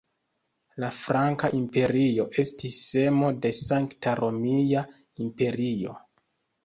La franka imperio estis semo de Sankta Romia Imperio.